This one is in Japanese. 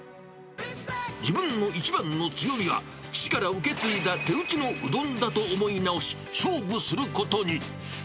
自分の一番の強みは、父から受け継いだ手打ちのうどんだと思い直し、勝負することに。